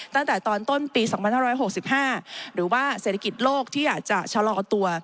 ตั้งแต่ตอนต้นปี๒๕๖๕หรือว่าเศรษฐกิจโลกที่อาจจะชะลอตัว